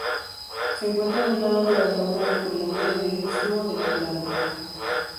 Se encuentra en un lado de la Laguna de Curlandia del istmo de Curlandia.